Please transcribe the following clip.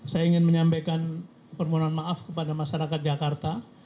saya ingin menyampaikan permohonan maaf kepada masyarakat jakarta